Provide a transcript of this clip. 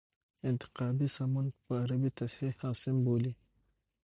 انتقادي سمون په عربي تصحیح حاسم بولي.